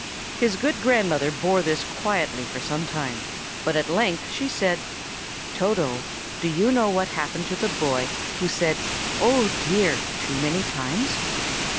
His good grandmother bore this quietly for some time; but at length she said, "Toto, do you know what happened to the boy who said 'Oh, dear!' too many times?"